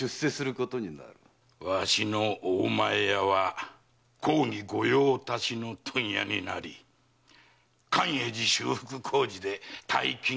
わしの大前屋は公儀御用達の問屋になり寛永寺修復工事で大金が転がり込む。